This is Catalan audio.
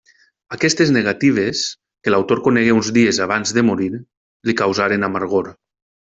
Aquestes negatives, que l'autor conegué uns dies abans de morir, li causaren amargor.